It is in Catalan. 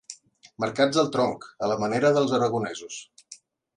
Marcats al tronc, a la manera dels aragonesos.